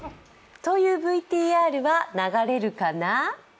というＶＴＲは流れるかな？